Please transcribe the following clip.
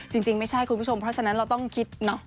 จริงไม่ใช่คุณผู้ชมเพราะฉะนั้นเราต้องคิดเนาะ